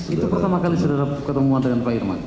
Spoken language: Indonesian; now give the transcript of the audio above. itu pertama kali saudara ketemuan dengan pak irman